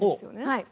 はい。